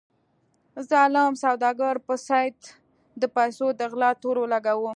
ظالم سوداګر په سید د پیسو د غلا تور ولګاوه.